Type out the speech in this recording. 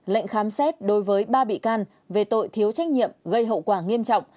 lệnh khám xét đối với ba bị can về tội thiếu trách nhiệm gây hậu quả nghiêm trọng